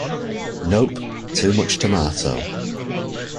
Nope! Too much tomato.